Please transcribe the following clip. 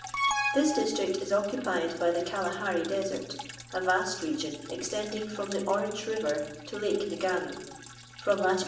This district is occupied by the Kalahari desert, a vast region extending from the Orange River to Lake Ngami, from lat.